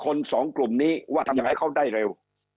สองกลุ่มนี้ว่าทำยังไงเขาได้เร็ว